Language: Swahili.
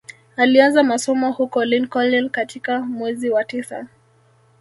Alianza masomo huko Lincoln katika mwezi wa tisa